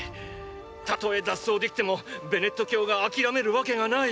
たとえ脱走できてもベネット教が諦めるわけがない。